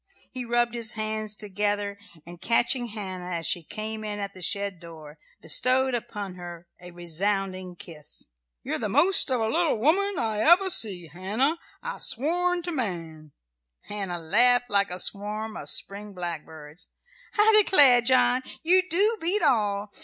He rubbed his hard hands together, and catching Hannah as she came in at the shed door, bestowed upon her a resounding kiss. "You're the most of a little woman I ever see, Hannah, I swan to man." Hannah laughed like a swarm of spring blackbirds. "I declare, John, you do beat all!